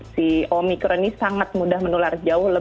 si omikron ini sangat mudah menular jauh